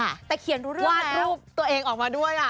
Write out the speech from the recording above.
วาดรูปตัวเองออกมาด้วยอ่ะ